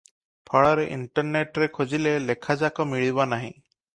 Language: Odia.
ଫଳରେ ଇଣ୍ଟରନେଟରେ ଖୋଜିଲେ ଲେଖାଯାକ ମିଳିବ ନାହିଁ ।